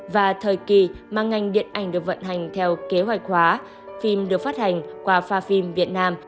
và thời kỳ mà ngành điện ảnh được vận hành theo kế hoạch hóa phim được phát hành qua pha phim việt nam